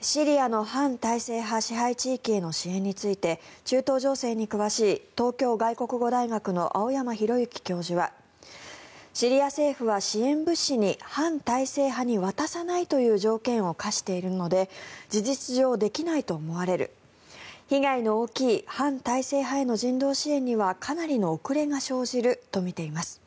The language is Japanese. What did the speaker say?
シリアの反体制派支配地域への支援について中東情勢に詳しい東京外国語大学の青山弘之教授はシリア政府は支援物資に反体制派に渡さないという条件を課しているので事実上できないと思われる被害の大きい反体制派への人道支援にはかなりの遅れが生じるとみています。